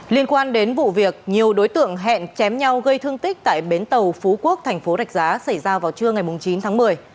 liên quan đến vụ việc nhiều đối tượng hẹn chém nhau gây thương tích tại bến tàu phú quốc thành phố rạch giá xảy ra vào trưa ngày chín tháng một mươi